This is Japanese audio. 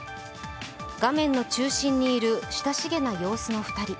画面の中心にいる親しげな様子の２人。